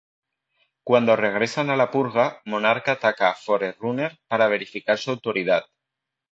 Cuando regresan a "La Purga", Monarca ataca a Forerunner para verificar su autoridad.